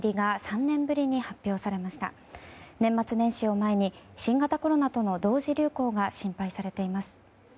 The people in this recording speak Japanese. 年末年始を前に新型コロナとの同時流行が心配されています。